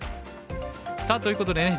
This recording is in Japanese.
さあということでね